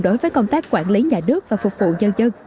đối với công tác quản lý nhà nước và phục vụ dân dân